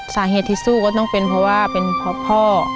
สาเหตุที่สู้ก็ต้องเป็นเพราะว่าเป็นเพราะพ่อ